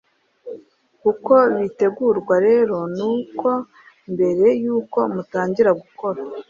uko bitegurwa rero nuko mbere y’uko mutangira gukora